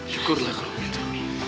syukurlah kau menemui